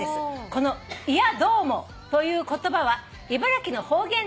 「この『いやどうも』という言葉は茨城の方言です」